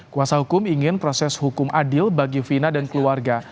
kuasa hukum ingin proses hukum adil bagi vina dan keluarga